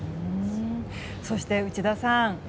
そして内田さん